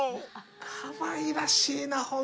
かわいらしいなホント。